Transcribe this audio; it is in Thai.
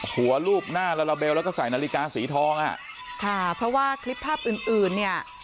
รูปหน้าลาลาเบลแล้วก็ใส่นาฬิกาสีทองอ่ะค่ะเพราะว่าคลิปภาพอื่นอื่นเนี่ย